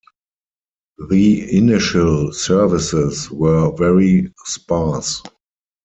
The initial services were very sparse.